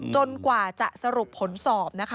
กว่าจะสรุปผลสอบนะคะ